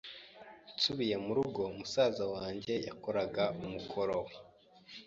Nsubiye mu rugo, musaza wanjye yakoraga umukoro we.